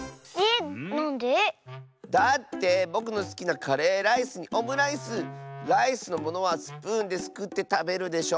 だってぼくのすきなカレーライスにオムライスライスのものはスプーンですくってたべるでしょ。